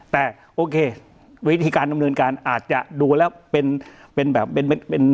แต่โอเควิธีการดำเนินการอาจจะดูแล้วเป็นเป็นแบบเป็นเป็น